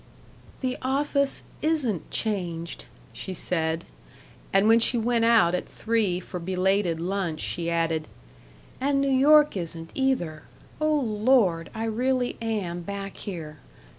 "The office isn't changed," she said; and when she went out at three for belated lunch, she added, "and New York isn't, either. Oh, Lord! I really am back here.